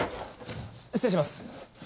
失礼します。